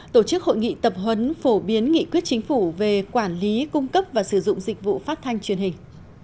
tổ chức hội nghị tập huấn phổ biến nghị quyết chính phủ về quản lý cung cấp và sử dụng dịch vụ phát thanh truyền hình